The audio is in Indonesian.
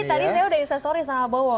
ini tadi saya sudah instastory sama bowo